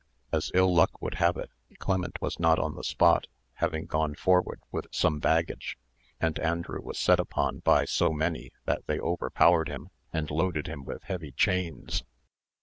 As ill luck would have it, Clement was not on the spot, having gone forward with some baggage, and Andrew was set upon, by so many, that they overpowered him, and loaded him with heavy chains.